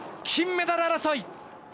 金メダル争い。